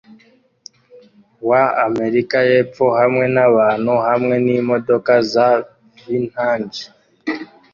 wa Amerika yepfo hamwe nabantu hamwe nimodoka za vintage